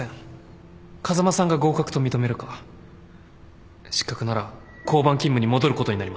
風間さんが合格と認めるか失格なら交番勤務に戻ることになります。